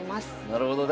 なるほど。